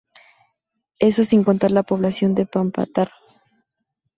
Eso sin contar la población de Pampatar.